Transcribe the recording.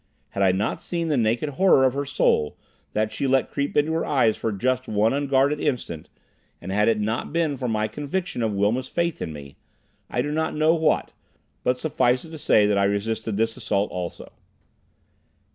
Had I not seen the naked horror of her soul, that she let creep into her eyes for just one unguarded instant, and had it not been for my conviction of Wilma's faith in me, I do not know what but suffice it to say that I resisted this assault also.